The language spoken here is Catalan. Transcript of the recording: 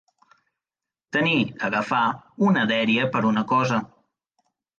Tenir, agafar, una dèria per una cosa.